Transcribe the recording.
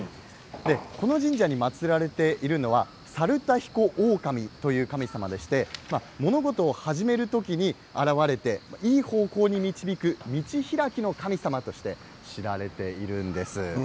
この神社に祭られているのは猿田彦大神という神様でして物事を始める時に現れていい方向に導くみちひらきの神様として知られているんです。